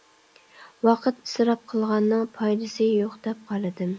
ۋاقىت ئىسراپ قىلغاننىڭ پايدىسى يوق، دەپ قارىدىم.